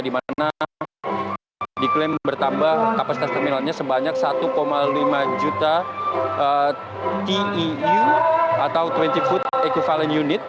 di mana diklaim bertambah kapasitas terminalnya sebanyak satu lima juta teu atau dua puluh food equivalent unit